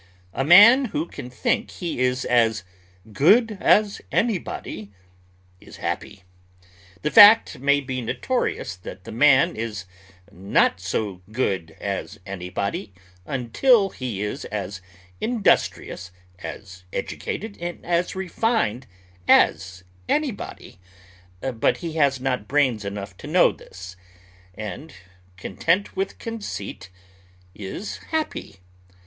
A man who can think he is as "good as anybody" is happy. The fact may be notorious that the man is not so "good as anybody" until he is as industrious, as educated, and as refined as anybody, but he has not brains enough to know this, and, content with conceit, is happy.